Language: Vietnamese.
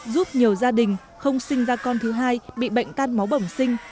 giúp nhiều gia đình không sinh ra con thứ hai bị bệnh tan máu bẩm sinh